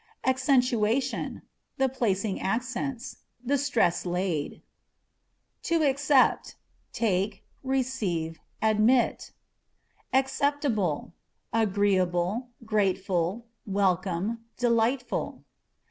Accentuation â€" the placing accents ; the stress laid. To Accept â€" take, receive, admit. Acceptable â€" agreeable, grateful, welcome, delightful.